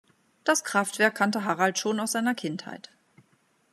Das Kraftwerk kannte Harald schon aus seiner Kindheit.